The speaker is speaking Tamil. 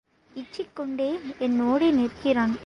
இச்சிக் கொண்டே என்னோடே நிற்கிறான்.